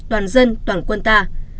toàn dân toàn quân ta